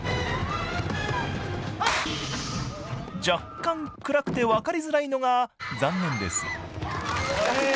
［若干暗くて分かりづらいのが残念です］へ。